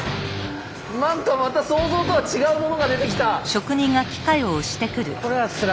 なんかまた想像とは違うものが出てきた！